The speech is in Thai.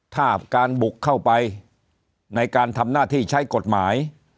ถ้าการบุกเข้าไปในการทำหน้าที่ใช้กฎหมาย